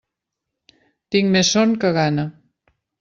Tinc més son que gana.